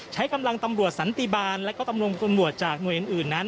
ใช้กำลังตำรวจสันติบาลและก็ตำรวจจากหน่วยอื่นนั้น